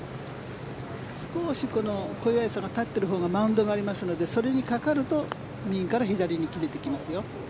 少し小祝さんが立っているほうがマウンドがありますのでそれにかかると右から左に切れてきますよ。